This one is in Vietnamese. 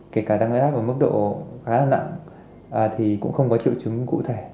kể cả tăng huyết áp ở mức độ khá là nặng thì cũng không có triệu chứng cụ thể